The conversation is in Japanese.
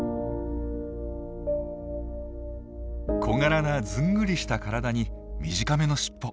小柄なずんぐりした体に短めの尻尾。